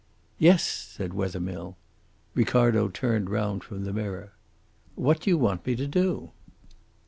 "Yes," said Wethermill. Ricardo turned round from the mirror. "What do you want me to do?"